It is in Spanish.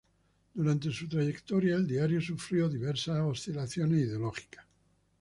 Durante su trayectoria el diario sufrió diversas oscilaciones ideológicas.